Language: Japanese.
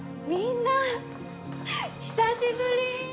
みんな久しぶり！